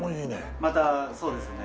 またそうですね。